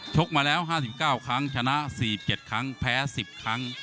กมาแล้ว๕๙ครั้งชนะ๔๗ครั้งแพ้๑๐ครั้ง